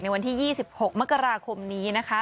วันที่๒๖มกราคมนี้นะคะ